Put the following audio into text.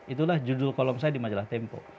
itulah judul kolom saya di majalah tempo